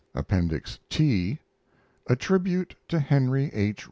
APPENDIX T A TRIBUTE TO HENRY H.